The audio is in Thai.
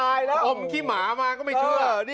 คิดมันรึเปล่าคิดหญิงขี้หมามาก็ไม่เชื่อ